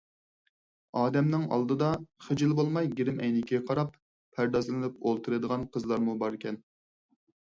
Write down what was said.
ئادەمنىڭ ئالدىدا خىجىل بولماي گىرىم ئەينىكىگە قاراپ پەردازلىنىپ ئولتۇرىدىغان قىزلارمۇ باركەن...